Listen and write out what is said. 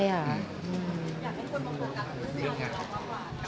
อยากให้คนมองการการเรื่องงาน